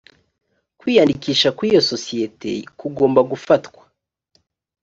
kwiyandikisha kw iyo sosiyete kugomba gufatwa